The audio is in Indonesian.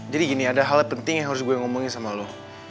jadi gini ada hal penting yang harus gue ngomongin sama lu